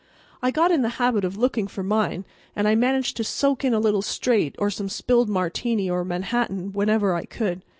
I got in the habit of looking for mine, and I managed to soak in a little straight or some spilled Martini or Manhattan whenever I could.